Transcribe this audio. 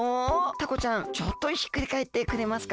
タコちゃんちょっとひっくりかえってくれますか？